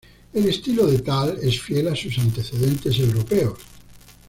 El estilo de Tal es fiel a sus antecedentes europeos.